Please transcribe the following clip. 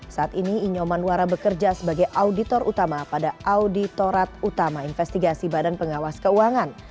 saat ini inyoman wara bekerja sebagai auditor utama pada auditorat utama investigasi badan pengawas keuangan